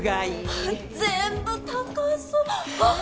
ははっ全部高そうあっ！